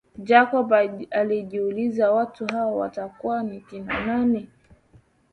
Jacob alijiuliza watu hao watakuwa ni kina nani